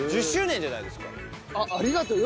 ありがとう。